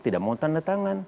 tidak mau tanda tangan